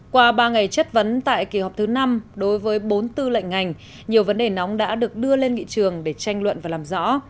qua ba ngày chất vấn tại kỳ họp thứ năm đối với bốn tư lệnh ngành nhiều vấn đề nóng đã được đưa lên nghị trường để tranh luận và làm rõ